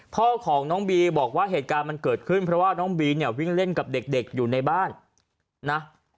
พ่อของน้องบีบอกว่าเหตุการณ์มันเกิดขึ้นเพราะว่าน้องบีเนี่ยวิ่งเล่นกับเด็กอยู่ในบ้านนะ